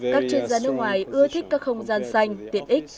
các chuyên gia nước ngoài ưa thích các không gian xanh tiện ích